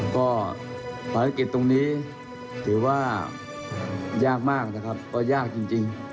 ก็ภารกิจตรงนี้ถือว่ายากมากนะครับก็ยากจริง